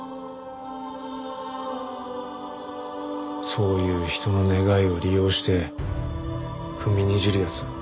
そういう人の願いを利用して踏みにじる奴